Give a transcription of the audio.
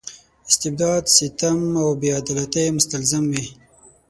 استبداد ستم او بې عدالتۍ مستلزم وي.